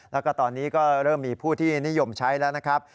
แล้วก็ตอนนี้ก็เริ่มมีผู้ที่นิยมใช้แล้วนะครับ